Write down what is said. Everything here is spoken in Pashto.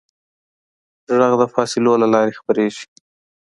غږ د فاصلو له لارې خپرېږي.